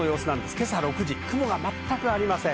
今朝６時、雲が全くありません。